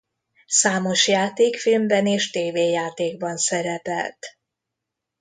Számos játékfilmben és tévéjátékban szerepelt.